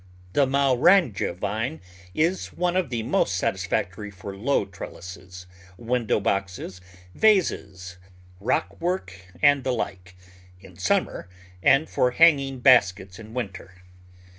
The Maurandya Vine is one of the most satisfac tory for low trellises, window boxes, vases, rockwork, and the like, in summer, and for hanging baskets in winter.